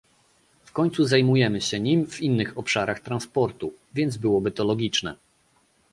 W końcu zajmujemy się nim w innych obszarach transportu, więc byłoby to logiczne